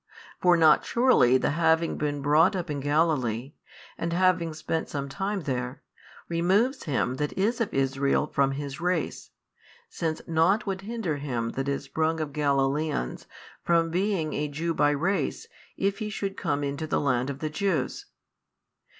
for not surely the having been brought up in Galilee, and having spent some time there, removes him that is of Israel from his race, since nought would hinder him that is sprung of Galilaeans from being a Jew by race if he should come into the land of the Jews.